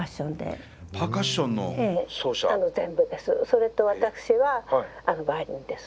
それと私はバイオリンです。